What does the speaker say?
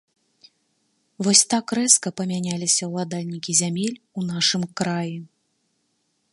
Вось так рэзка памяняліся ўладальнікі зямель у нашым краі.